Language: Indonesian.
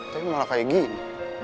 tapi malah kayak gini